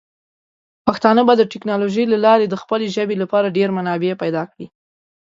پښتانه به د ټیکنالوجۍ له لارې د خپلې ژبې لپاره ډیر منابع پیدا کړي.